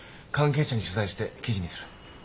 関係者に取材して記事にする。